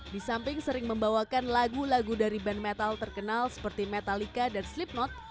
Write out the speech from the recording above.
disamping sering membawakan lagu lagu dari band metal terkenal seperti metallica dan slipknot